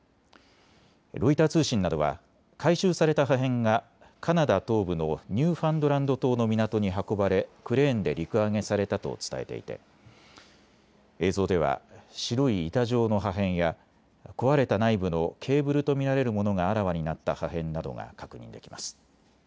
ロイター通信などは回収された破片がカナダ東部のニューファンドランド島の港に運ばれクレーンで陸揚げされたと伝えていて映像では白い板状の破片や壊れた内部のケーブルと見られるものがあらわになった破片などが確認できます。